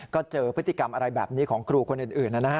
ก็เจอพฤติกรรมอะไรแบบนี้ของครูคนอื่นนะฮะ